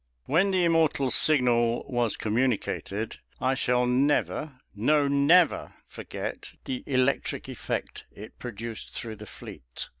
When the immortal signal was communicated, I shall never, no, never, forget the electric effect it produced through the fleet.